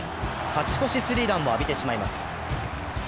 勝ち越しスリーランを浴びてしまいます。